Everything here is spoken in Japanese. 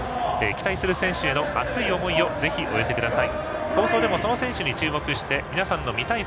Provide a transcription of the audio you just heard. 期待する選手への熱い思いをぜひ、お寄せください。